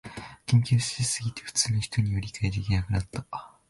研究しすぎて普通の人には理解できなくなった